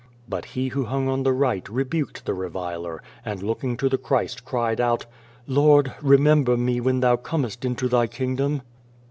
But he who hung on the right rebuked the reviler, and, looking to the Christ, cried out, " Lord, remember me when Thou comest into Thy kingdom."